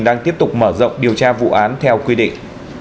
đang tiếp tục mở rộng điều tra vụ án theo quy định